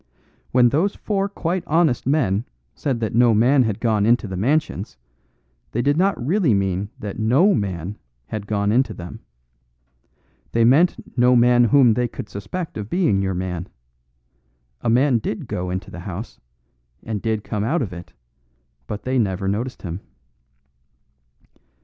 When those four quite honest men said that no man had gone into the Mansions, they did not really mean that no man had gone into them. They meant no man whom they could suspect of being your man. A man did go into the house, and did come out of it, but they never noticed him."